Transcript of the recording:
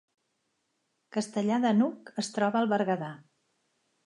Castellar de n’Hug es troba al Berguedà